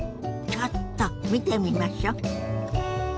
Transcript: ちょっと見てみましょ。